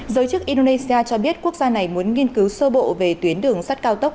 giới chức indonesia cho biết quốc gia này muốn nghiên cứu sơ bộ về tuyến đường sắt cao tốc